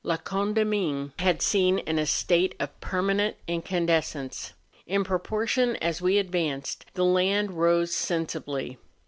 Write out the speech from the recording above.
La Condamine had seen in a state of permanent incandescence. In proportion as we advanced, the land rose sensibly.